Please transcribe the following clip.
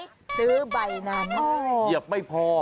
ก็เลยซื้อใบนั้นเหยียบไปพอ